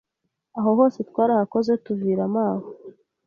aho hose twarahakoze tuviramo aho